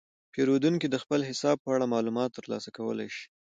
پیرودونکي د خپل حساب په اړه معلومات ترلاسه کولی شي.